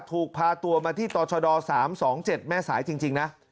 ถูกพาตัวมาที่ต่อชด๓๒๗แม่สายจริงนะ